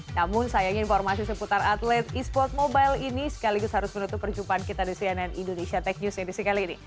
namun sayangnya informasi seputar atlet e sport mobile ini sekaligus harus menutup perjumpaan kita di cnn indonesia tech news edisi kali ini